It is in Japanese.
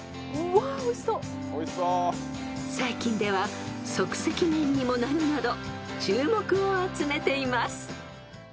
［最近では即席麺にもなるなど注目を集めています］